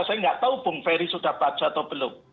saya tidak tahu pung ferry sudah baca atau belum